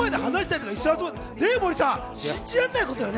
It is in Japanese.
ねぇ、森さん、信じられないことだよね。